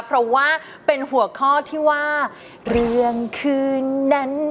เพราะว่าเป็นหัวข้อที่ว่า